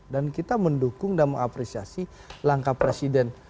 dan kita mendukung dan mengapresiasi langkah presiden